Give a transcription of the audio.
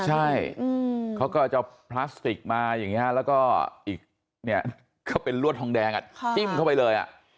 ใช่เขาก็จะเอาพลาสติกมาอย่างนี้แล้วก็อีกเนี่ยก็เป็นลวดทองแดงจิ้มเข้าไปเลย